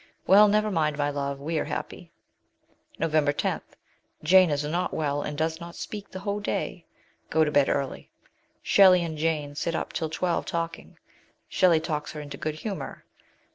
Well, never mind, my love, we are happy. Nov. 10. Jane is not well, and does not speak the whole day. ... Go to bed early j Shelley and Jane sit up till twelve talking ; Shelley talks her into good humour."